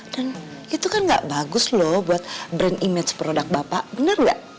dan itu kan gak bagus loh buat brand image produk bapak bener gak